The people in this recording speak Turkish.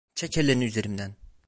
Çek ellerini üzerimden!